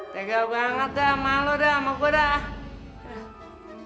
tegap banget dah sama lo sama gue dah